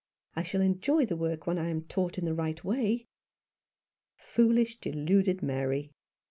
I shall enjoy the work when I'm taught in the right way." "Foolish, deluded Mary!"